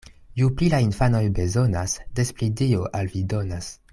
Ju pli la infanoj bezonas, des pli Dio al vi donas.